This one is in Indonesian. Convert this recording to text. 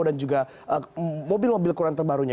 dan juga mobil mobil kurang terbarunya